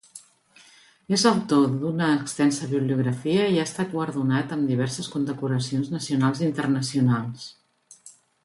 És autor d'una extensa bibliografia i ha estat guardonat amb diverses condecoracions nacionals i internacionals.